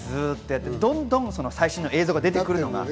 どんどん最新の映像が出てくるのがね。